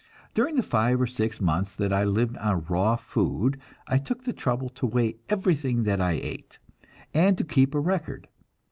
During the five or six months that I lived on raw food, I took the trouble to weigh everything that I ate, and to keep a record.